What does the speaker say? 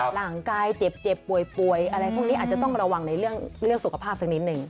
ร่างกายเจ็บป่วยอะไรพวกนี้อาจจะต้องระวังในเรื่องสุขภาพสักนิดหนึ่ง